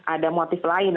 ada motif lain